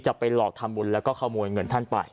จะไปหลอกทำบุญแล้วก็ขโมยเงินท่านไป